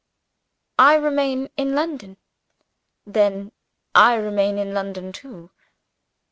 "I remain in London." "Then I remain in London, too."